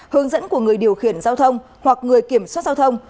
hướng dẫn của người điều khiển giao thông hoặc người kiểm soát giao thông